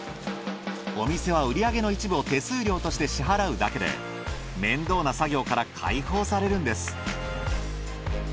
お店は売り上げの一部を手数料として支払うだけで面倒な作業から解放されるのです。